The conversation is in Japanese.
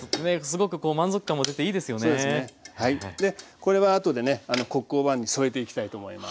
これはあとでねコック・オ・ヴァンに添えていきたいと思います。